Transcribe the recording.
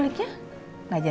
di rumah ya